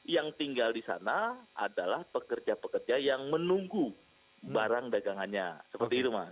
yang tinggal di sana adalah pekerja pekerja yang menunggu barang dagangannya